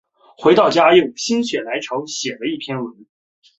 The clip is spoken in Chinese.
回到家又心血来潮写了一篇文